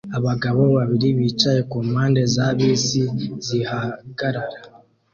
abagabo babiri bicaye kumpande za bisi zihagarara